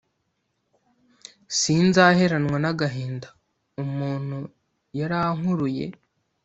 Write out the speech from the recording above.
sinzaheranwa n’agahinda umuntu yarankuruye